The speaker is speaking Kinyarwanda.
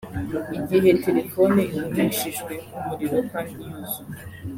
Igihe telephone igumishijwe ku muriro kandi yuzuye